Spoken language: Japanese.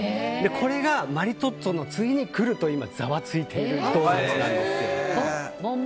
これがマリトッツォの次にくるとざわついているんです。